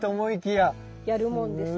やるもんですね。